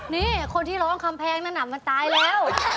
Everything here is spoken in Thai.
นี่คนที่ร้องคำแพงนั่นน่ะมันตายแล้ว